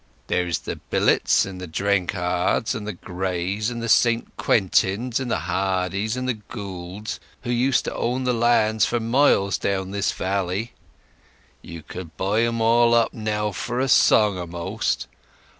There's the Billets and the Drenkhards and the Greys and the St Quintins and the Hardys and the Goulds, who used to own the lands for miles down this valley; you could buy 'em all up now for an old song a'most.